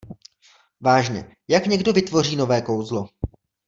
Vážně, jak někdo vytvoří nové kouzlo?